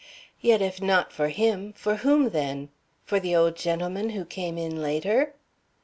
"Yet, if not for him, for whom, then? For the old gentleman who came in later?"